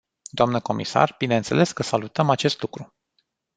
Doamnă comisar, bineînțeles că salutăm acest lucru.